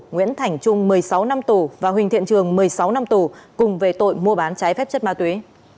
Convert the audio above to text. nguyễn thành trung một mươi sáu năm tù và huỳnh thiện trường một mươi sáu năm tù cùng về tội mua bán trái phép chất ma túy